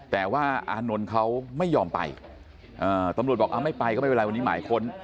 แต่ว่าอานนท์เขาไม่ยอมไปตำรวจบอกไม่ไปก็ไม่เป็นไรวันนี้หมายค้น